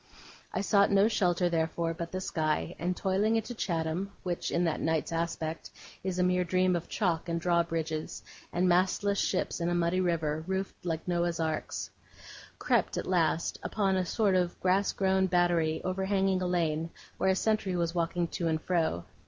I sought no shelter, therefore, but the sky; and toiling into Chatham, which, in that night's aspect, is a mere dream of chalk, and drawbridges, and mastless ships in a muddy river, roofed like Noah's arks, crept, at last, upon a sort of grass grown battery overhanging a lane, where a sentry was walking to and fro.